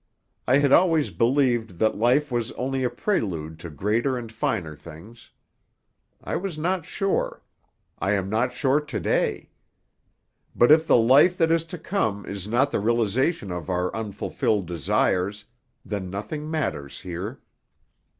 I had always believed that life was only a prelude to greater and finer things. I was not sure; I am not sure to day; but if the life that is to come is not the realization of our unfulfilled desires, then nothing matters here.